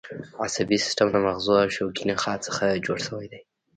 عصبي سیستم له مغزو او شوکي نخاع څخه جوړ شوی دی